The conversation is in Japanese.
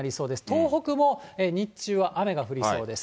東北も日中は雨が降りそうです。